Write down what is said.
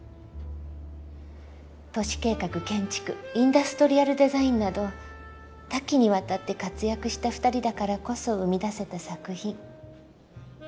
都市計画建築インダストリアルデザインなど多岐にわたって活躍した二人だからこそ生み出せた作品。